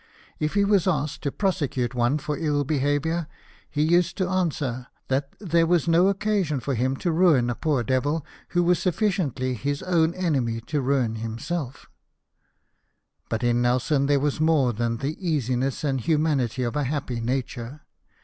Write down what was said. If he was asked to prosecute one for ill behaviour, he used to answer :" That there was no occasion for him to ruin a poor devil, who was sufficiently his own enemy to ruin himself" But in Nelson there was more than the easiness and humanity of a happy nature.